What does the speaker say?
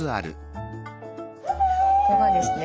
ここがですね